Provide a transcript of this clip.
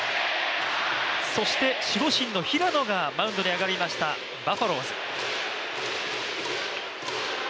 そして、守護神の平野がマウンドに上がりました、バファローズ。